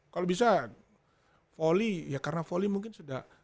kalau bisa volley ya karena volley mungkin sudah